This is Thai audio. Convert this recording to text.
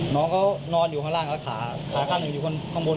น้องเขานอนอยู่ข้างล่างแล้วขาขาข้างหนึ่งอยู่ข้างบน